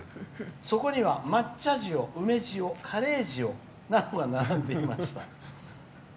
そこには、抹茶塩、梅塩カレー塩などが並んでいました。